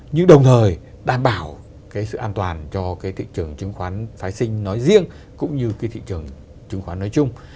nhưng đồng thời đảm bảo cái sự an toàn cho cái thị trường chứng khoán phái sinh nói riêng cũng như cái thị trường chứng khoán nói chung